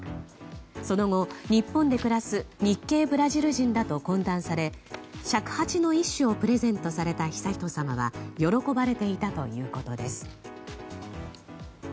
その後、日本で暮らす日系ブラジル人らと懇談され尺八の一種をプレゼントされた悠仁さまは喜ばれていたということです。